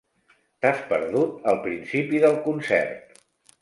T'has perdut el principi del concert.